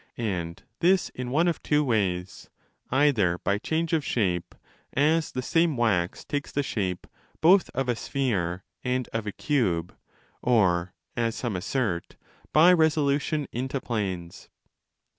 And this in one of two ways, either by change of shape, as the same wax takes 30 the shape both of a sphere and of a cube, or, as some assert, by resolutior' into planes.